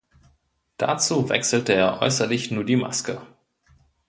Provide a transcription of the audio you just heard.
Dazu wechselte er äußerlich nur die Maske.